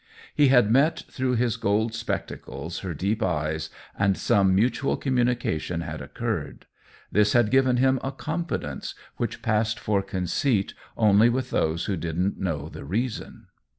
He had met through his gold spectacles her deep eyes, and some mutual communication had occurred. This had given him a confidence which passed for conceit only with those who didn't know the reason.